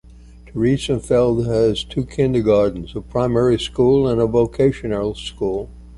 Theresienfeld has two kindergartens, a primary school, and a vocational school.